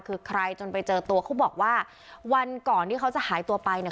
คือใครจนไปเจอตัวเขาบอกว่าวันก่อนที่เขาจะหายตัวไปเนี่ย